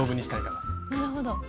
なるほど。